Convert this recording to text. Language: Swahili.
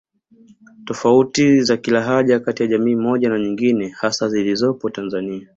Tofauti za kilahaja kati ya jamii moja na nyingine hasa zilizopo Tanzania